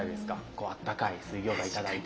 こうあったかい水餃子頂いて。